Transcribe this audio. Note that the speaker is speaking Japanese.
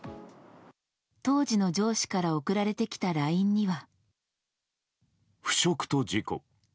当時の上司から送られてきたＬＩＮＥには。